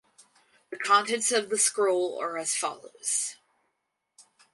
The contents of the scroll are as follows.